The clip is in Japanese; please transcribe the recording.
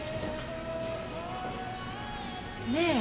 ねえ。